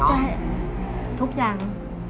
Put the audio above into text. ใช่ทุกอย่าง